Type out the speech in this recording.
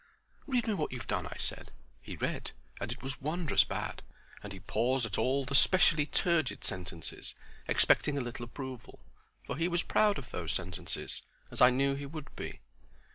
"Read me what you've done," I said. He read, and it was wondrous bad and he paused at all the specially turgid sentences, expecting a little approval; for he was proud of those sentences, as I knew he would be.